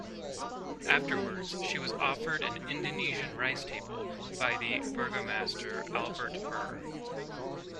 Afterwards she was offered an Indonesian rice table by the burgomaster Albert Burgh.